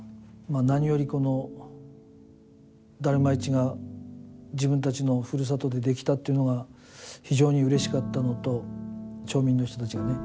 何より、このダルマ市が自分たちのふるさとでできたというのが非常にうれしかったのと町民の人たちがね